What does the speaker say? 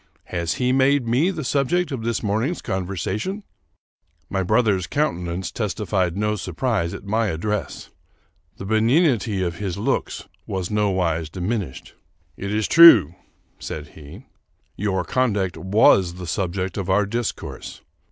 Has he made me the subject of this morning's conversation?" My brother's countenance testified no surprise at my address. The benignity of his looks was nowise diminished. " It is true," said he, " your conduct was the subject of our discourse.